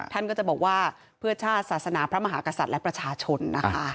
ท่านก็จะบอกว่าเพื่อชาติศาสนาพระมหากษัตริย์และประชาชนนะคะ